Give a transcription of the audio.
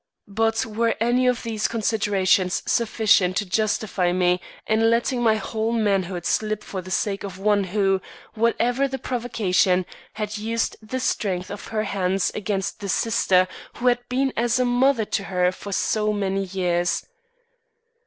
But were any of these considerations sufficient to justify me in letting my whole manhood slip for the sake of one who, whatever the provocation, had used the strength of her hands against the sister who had been as a mother to her for so many years.